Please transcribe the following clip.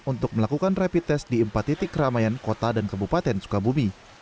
untuk melakukan rapid test di empat titik keramaian kota dan kebupaten sukabumi